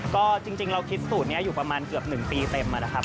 ก็จริงเราคิดสูตรนี้อยู่ประมาณเกือบ๑ปีเต็มนะครับ